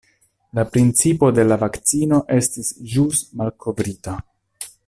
La principo de la vakcino estis ĵus malkovrita.